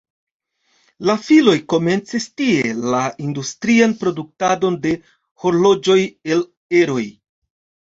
La filoj komencis tie la industrian produktadon de horloĝoj el eroj.